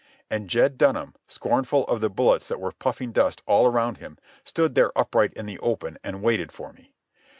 And Jed Dunham, scornful of the bullets that were puffing dust all around him, stood there upright in the open and waited for me.